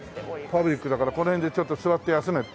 パブリックだからこの辺でちょっと座って休めって？